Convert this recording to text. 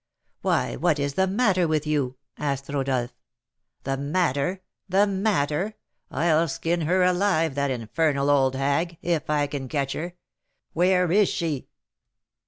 "Why, what is the matter with you?" asked Rodolph. "The matter! the matter! I'll skin her alive, that infernal old hag, if I can catch her! Where is she?